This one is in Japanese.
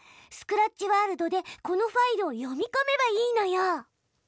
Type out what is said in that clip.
スクラッチワールドでこのファイルを読みこめばいいのよ！